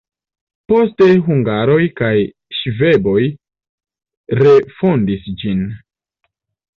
Poste hungaroj kaj ŝvaboj refondis ĝin.